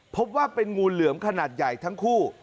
พบว่าเป็นงูเหลือมขนาดใหญ่ทั้งคู่